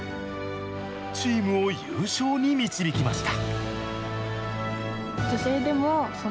チームを優勝に導きました。